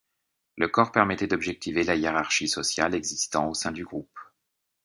Le corps permettait d'objectiver la hiérarchie sociale existant au sein du groupe.